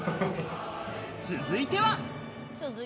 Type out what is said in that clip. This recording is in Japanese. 続いては。